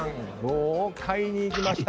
豪快にいきました！